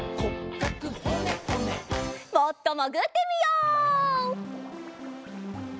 もっともぐってみよう！